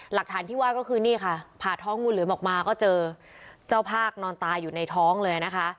หลักฐานที่ว่าก็คือนี่ค่ะผ่าท้องงูเหลือมออกมาก็เจอเจ้าภาคนอนตายอยู่ในท้องเลยนะคะ